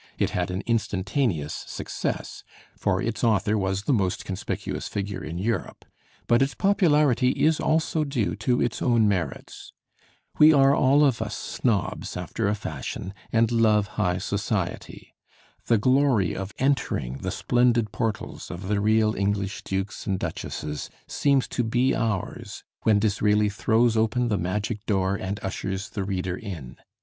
It had an instantaneous success, for its author was the most conspicuous figure in Europe, but its popularity is also due to its own merits. We are all of us snobs after a fashion and love high society. The glory of entering the splendid portals of the real English dukes and duchesses seems to be ours when Disraeli throws open the magic door and ushers the reader in.